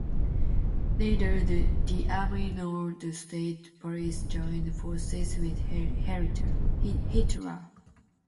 Neither the army nor the state police joined forces with Hitler.